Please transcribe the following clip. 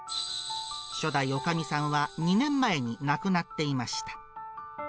初代おかみさんは２年前に亡くなっていました。